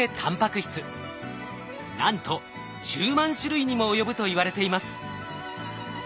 なんと１０万種類にも及ぶといわれています。